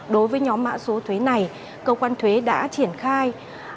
đối với nhóm mã số thuế này cơ quan thuế đã triển khai